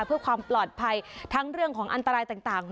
เพื่อความปลอดภัยทั้งเรื่องของอันตรายต่าง